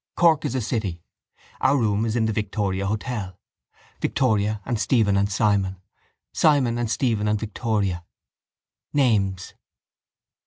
Cork is a city. Our room is in the Victoria Hotel. Victoria and Stephen and Simon. Simon and Stephen and Victoria. Names.